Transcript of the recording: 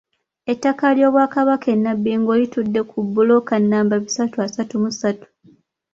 Ettaka ly'Obwakabaka e Nabbingo litudde ku bbulooka nnamba bisatu asatu mu ssatu.